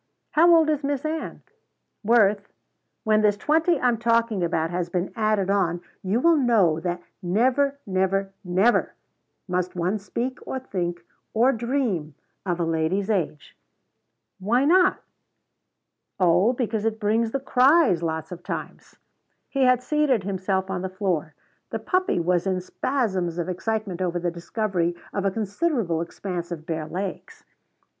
"How old is Miss Ann?" "Worth, when this twenty I'm talking about has been added on, you will know that never, never, never must one speak or think or dream of a lady's age." "Why not?" "Oh, because it brings the cries lots of times." He had seated himself on the floor. The puppy was in spasms of excitement over the discovery of a considerable expanse of bare legs.